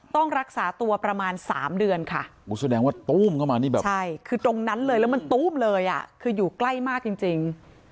ต้องรักษาตัวประมาณ๓เดือนค่ะคือตรงนั้นเลยแล้วมันตุ๊บเลยอ่ะคืออยู่ใกล้มากจริง